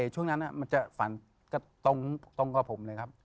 ช่วงนั้นมันจะฝันตรงกับผมเลยครับ